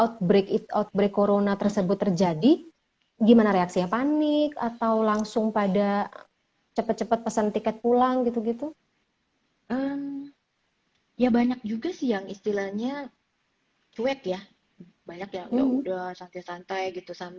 warna berat hatan gitu ya